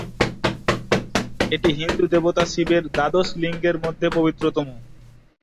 এটি হিন্দু দেবতা শিবের দ্বাদশ লিঙ্গের মধ্যে পবিত্রতম।